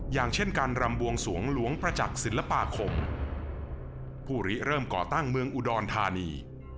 อย่างเช่นการรำบวงสวงหลวงประจักษ์ศิลปาคมผู้ริเริ่มก่อตั้งเมืองอุดรธานี